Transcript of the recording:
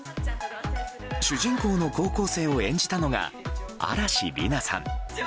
主人公の高校生を演じたのが嵐莉菜さん。